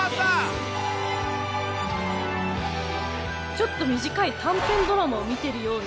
ちょっと短い短編ドラマを見てるような。